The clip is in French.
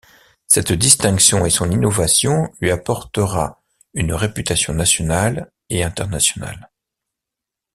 Cette distinction et son innovation lui apportera une réputation nationale et internationale.